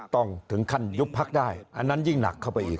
ต้องถึงขั้นยุบพักได้อันนั้นยิ่งหนักเข้าไปอีก